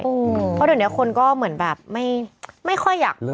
เพราะเดี๋ยวนี้คนก็เหมือนแบบไม่ค่อยอยากพูด